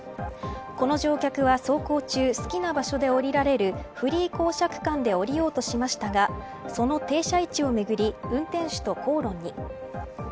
この乗客は走行中好きな場所で降りられるフリー降車区間で降りようとしましたがその停車位置をめぐり運転手と口論に。